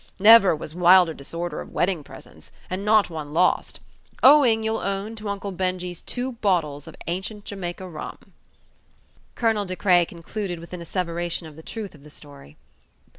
Never was wilder disorder of wedding presents, and not one lost! owing, you'll own, to Uncle Benjy's two bottles of ancient Jamaica rum." Colonel De Craye concluded with an asseveration of the truth of the story.